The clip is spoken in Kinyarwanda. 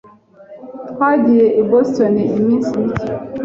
Twagiye i Boston iminsi mike.